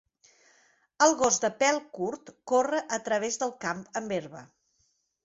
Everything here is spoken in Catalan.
El gos de pèl curt corre a través del camp amb herba.